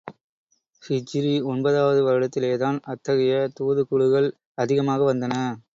ஹிஜ்ரி ஒன்பதாவது வருடத்திலேதான் அத்தகைய தூதுக் குழுகள் அதிகமாக வந்தன.